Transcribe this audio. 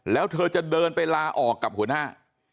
แล้วเธอจะเดินไปลาออกกับหัวหน้า